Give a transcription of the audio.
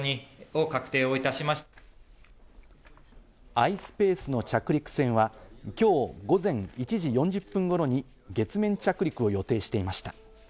ｉｓｐａｃｅの着陸船は、今日午前１時４０分頃に月面着陸を予定していました。